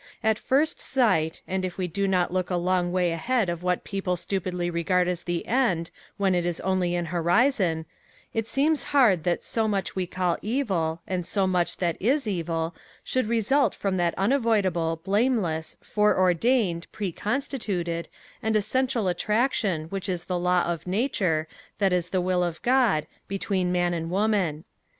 At first sight, and if we do not look a long way ahead of what people stupidly regard as the end when it is only an horizon, it seems hard that so much we call evil, and so much that is evil, should result from that unavoidable, blameless, foreordained, preconstituted, and essential attraction which is the law of nature, that is the will of God, between man and woman.